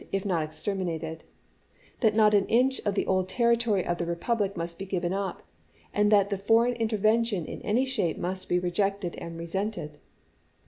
iv. if not exterminated ; that not an inch of the old territory of the republic must be given up, and that foreign intervention in any shape must be rejected and resented."